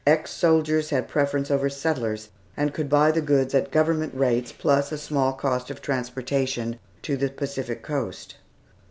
Ex soldiers had preference over settlers, and could buy the goods at Government rates, plus a small cost of transportation to the Pacific coast.